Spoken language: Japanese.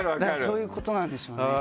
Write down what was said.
そういうことなんでしょうね。